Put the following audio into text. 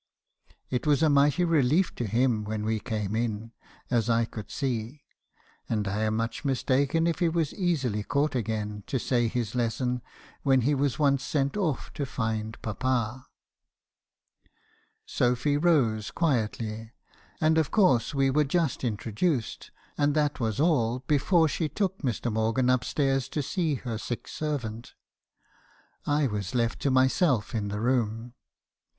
It was a mighty relief to him when we came in , as I could see ; and I am much mistaken if he was easily caught again to say his lesson, when he was once sent off to find papa. Sophy rose quietly, and of course we were just introduced, and that was all, before she took Mr. Morgan upstairs to see her sick servant. I was left to myself in the room.